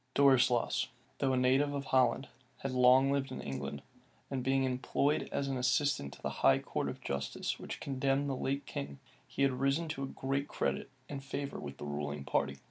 {1650.} Dorislaus, though a native of Holland, had lived long in England; and being employed as assistant to the high court of justice which condemned the late king, he had risen to great credit and favor with the ruling party.